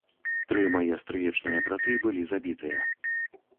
Тры мае стрыечныя браты былі забітыя.